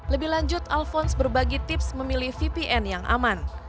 lebih lanjut alphonse berbagi tips memilih vpn yang aman